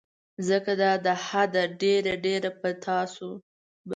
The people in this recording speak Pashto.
ځکه دا د حده ډیر ډیر به تاسو